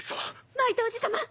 マイトおじ様！